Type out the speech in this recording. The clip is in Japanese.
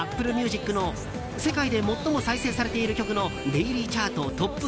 ＡｐｐｌｅＭｕｓｉｃの世界で最も再生されている曲のデイリーチャートトップ１００